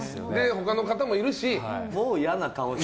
他の方もいるし。